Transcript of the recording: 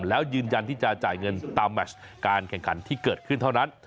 แล้วยืนยันที่จะจ่ายเงินตามแมชการแข่งขันที่เกิดขึ้นเท่านั้น